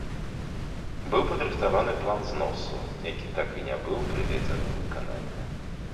Быў падрыхтаваны план зносу, які так і не быў прыведзены ў выкананне.